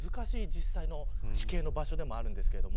実際の地形の場所でもあるんですけど。